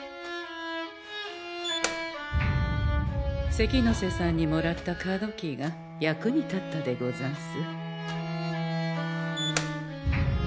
関ノ瀬さんにもらったカードキーが役に立ったでござんす。